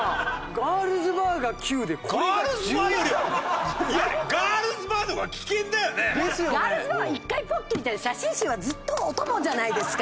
ガールズバーは一回ぽっきりだけど写真集はずっとお供じゃないですか。